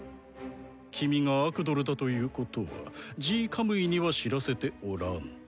君がアクドルだということはＧ・カムイには知らせておらん。